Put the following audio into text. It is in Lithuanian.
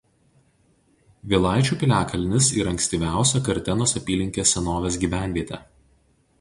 Vėlaičių piliakalnis yra ankstyviausia Kartenos apylinkės senovės gyvenvietė.